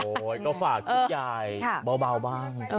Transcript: ก็ฝากคุณยายเบาบ้าง